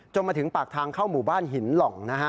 มาถึงปากทางเข้าหมู่บ้านหินหล่องนะฮะ